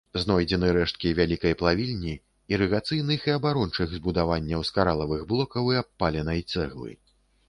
Знойдзены рэшткі вялікай плавільні, ірыгацыйных і абарончых збудаванняў з каралавых блокаў і абпаленай цэглы.